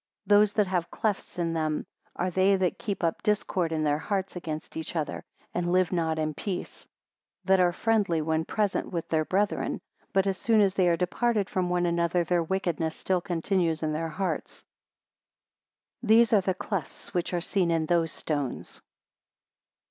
65 Those that have clefts in them, are they that keep up discord in their hearts against each other, and live not in peace; that are friendly when present with their brethren, but as soon as they are departed from one another, their wickedness still continues in their hearts: these are the clefts which are seen in those stones.